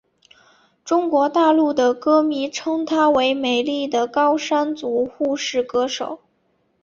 中国大陆的歌迷称她为美丽的高山族护士歌手。